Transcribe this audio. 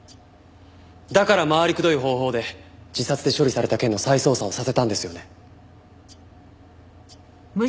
だから回りくどい方法で自殺で処理された件の再捜査をさせたんですよね？